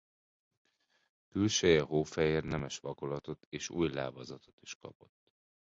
Külseje hófehér nemes vakolatot és új lábazatot is kapott.